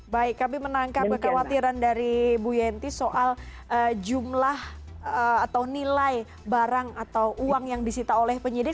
baik kami menangkap kekhawatiran dari bu yenty soal jumlah atau nilai barang atau uang yang disita oleh penyidik